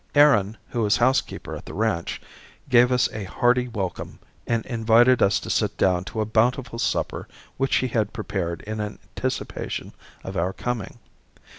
Aaron, who was housekeeper at the ranch, gave us a hearty welcome and invited us to sit down to a bountiful supper which he had prepared in anticipation of our coming.